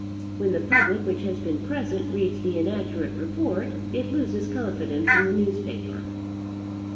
When the public which has been present reads the inaccurate report, it loses confidence in the newspaper.